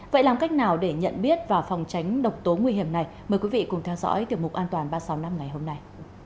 vậy làm cách nào để nhận biết và phòng tránh độc tố nguy hiểm này mời quý vị cùng theo dõi tiểu mục an toàn ba trăm sáu mươi năm ngày hôm nay